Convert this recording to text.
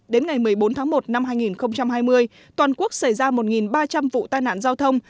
đến ngày một mươi bốn tháng một năm hai nghìn hai mươi toàn quốc xảy ra một ba trăm linh vụ tai nạn giao thông